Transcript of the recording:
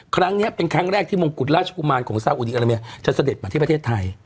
ครั้งนี้เป็นครั้งแรกที่มงกุฎราชกุมารของซาอุดีอาราเมียจะเสด็จมาที่ประเทศไทย